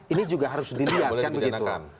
ini juga harus dilihat kan begitu